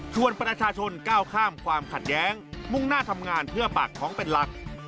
ส่วนประชาชนก้าวข้ามความขัดแย้งมุ่งหน้าทำงานเพื่อปากท้องเป็นหลัก